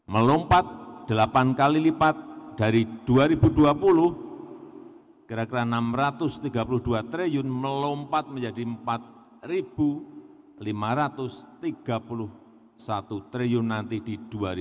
melompat delapan kali lipat dari dua ribu dua puluh kira kira rp enam ratus tiga puluh dua triliun melompat menjadi empat lima ratus tiga puluh satu triliun nanti di dua ribu dua puluh tiga